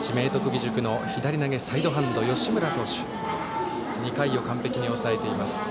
義塾の左投げサイドハンド、吉村投手が２回を完璧に抑えています。